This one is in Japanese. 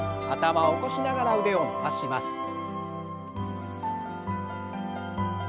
頭を起こしながら腕を伸ばします。